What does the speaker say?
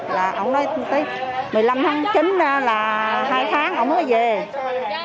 là ổng nói một mươi năm tháng chín là hai tháng ổng mới về